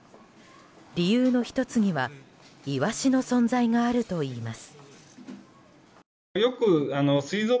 理由の１つにはイワシの存在があるといいます。